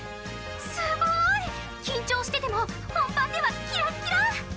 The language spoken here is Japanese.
すごい！緊張してても本番ではキラッキラ！